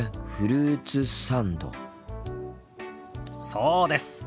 そうです。